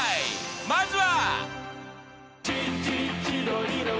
［まずは］